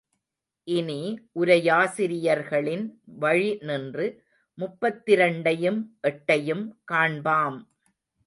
இனி உரையாசிரியர்களின் வழி நின்று முப்பத்திரண்டையும் எட்டையும் காண்பாம்.